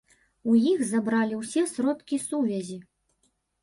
У іх забралі ўсе сродкі сувязі.